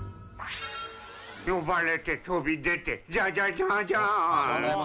呼ばれて飛び出てジャジャジャジャーン！